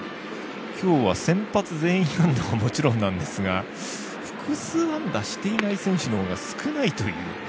今日は先発全員安打はもちろんなんですが複数安打していない選手のほうが少ないという。